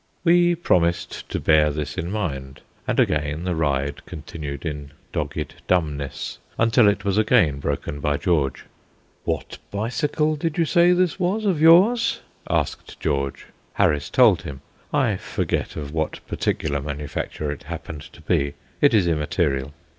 We promised to bear this in mind, and again the ride continued in dogged dumbness, until it was again broken by George. "What bicycle did you say this was of yours?" asked George. Harris told him. I forget of what particular manufacture it happened to be; it is immaterial.